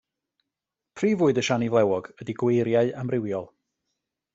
Prif fwyd y siani flewog ydy gweiriau amrywiol.